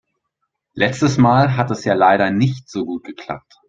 Letztes Mal hat es ja leider nicht so gut geklappt.